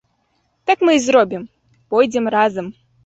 Так мы і зробім, пойдзем разам.